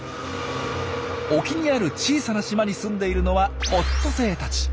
沖にある小さな島に住んでいるのはオットセイたち。